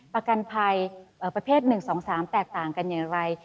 ประกันภัยประเภท๑๒๓แตกต่างกันอย่างไร